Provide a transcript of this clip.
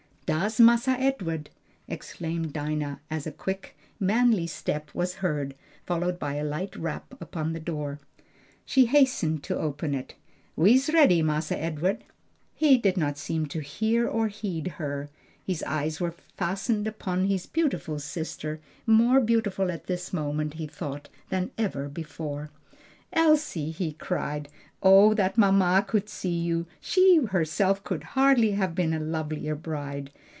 "Dar's Massa Edward!" exclaimed Dinah, as a quick, manly step was heard, followed by a light rap upon the door. She hastened to open it "We's ready, Marse Ed'ard." He did not seem to hear or heed her; his eyes were fastened upon his beautiful sister, more beautiful at this moment, he thought, than ever before. "Elsie!" he cried. "Oh that mamma could see you! she herself could hardly have been a lovelier bride!